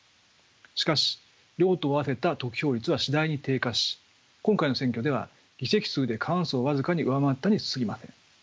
しかし両党合わせた得票率は次第に低下し今回の選挙では議席数で過半数を僅かに上回ったにすぎません。